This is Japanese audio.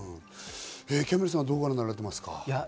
キャンベルさん、どうご覧になられていますか？